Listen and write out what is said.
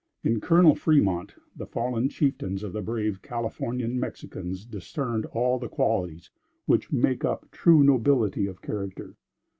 In Colonel Fremont the fallen chieftains of the brave Californian Mexicans discerned all the qualities which make up true nobility of character.